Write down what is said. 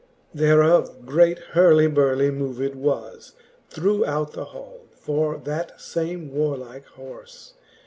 Thereof great hurly burly moved was Throughout the hall, for that fame warlike horfe.